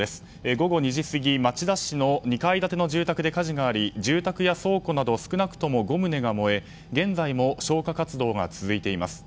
午後２時過ぎ、町田市の２階建ての住宅で火事があり住宅や倉庫など少なくとも５棟が燃え現在も消火活動が続いています。